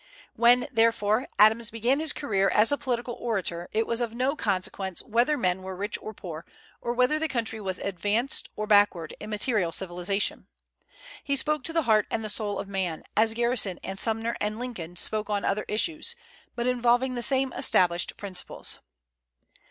When, therefore, Adams began his career as a political orator, it was of no consequence whether men were rich or poor, or whether the country was advanced or backward in material civilization. He spoke to the heart and the soul of man, as Garrison and Sumner and Lincoln spoke on other issues, but involving the same established principles.